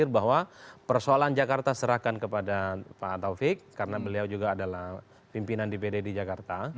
bahwa persoalan jakarta serahkan kepada pak taufik karena beliau juga adalah pimpinan dpd di jakarta